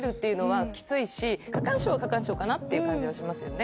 過干渉は過干渉かなっていう感じはしますよね。